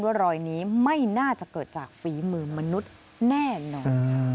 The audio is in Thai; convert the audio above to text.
รอยนี้ไม่น่าจะเกิดจากฝีมือมนุษย์แน่นอน